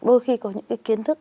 đôi khi có những cái kiến thức